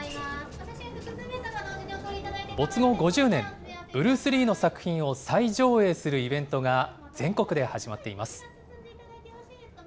没後５０年、ブルース・リーの作品を再上映するイベントが、全国で始まっています。